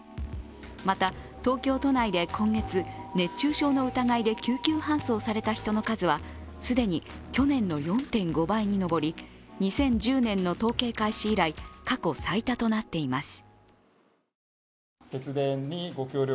また、東京都内で今月熱中症の疑いで救急搬送された人の数は既に去年の４．５倍に上り２０１０年の統計開始以来過去最多となっています。